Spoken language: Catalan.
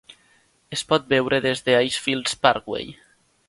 Es pot veure des de "Icefields Parkway".